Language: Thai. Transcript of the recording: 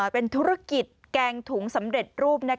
เป็นธุรกิจแกงถุงสำเร็จรูป